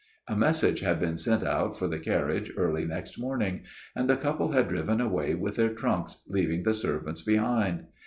A message had been sent out for the carriage early next morning; and the couple had driven away with their trunks, leaving the servants behind.